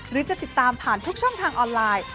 หรือจะติดตามผ่านทุกช่องทางออนไลน์